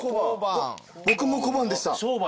僕も小判でした。